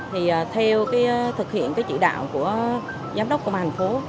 thì theo cái thực hiện cái chỉ đạo của giám đốc công an thành phố